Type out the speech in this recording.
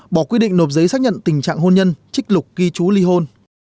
bỏ quy định nộp giấy xác nhận tình trạng hôn nhân trích lục ghi chú ly hôn